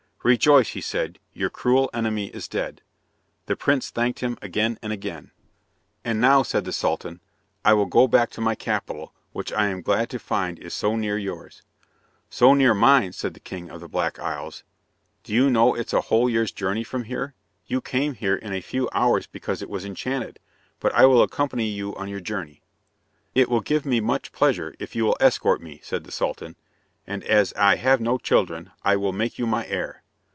"Rejoice," he said, "your cruel enemy is dead." The prince thanked him again and again. "And now," said the Sultan. "I will go back to my capital, which I am glad to find is so near yours." "So near mine!" said the King of the Black Isles. "Do you know it is a whole year's journey from here? You came here in a few hours because it was enchanted. But I will accompany you on your journey." "It will give me much pleasure if you will escort me," said the Sultan, "and as I have no children, I will make you my heir."